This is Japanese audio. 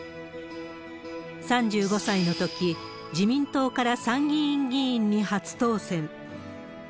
３５歳のとき、自民党から参議院議員に初当選。